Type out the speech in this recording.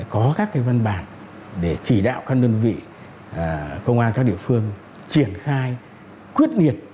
có các văn bản để chỉ đạo các đơn vị công an các địa phương triển khai quyết liệt